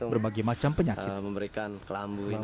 berbagai macam penyakit